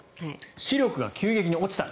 視力が急激に落ちた。